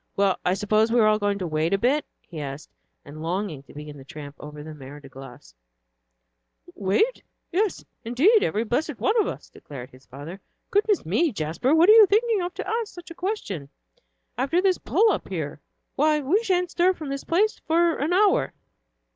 "Well, I suppose we are all going to wait a bit?" he asked, and longing to begin the tramp over the Mer de Glace. "Wait? Yes, indeed, every blessed one of us," declared his father. "Goodness me, Jasper, what are you thinking of to ask such a question, after this pull up here? Why, we sha'n't stir from this place for an hour."